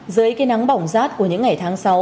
dưới cây nắng bỏng rát của những ngày tháng sáu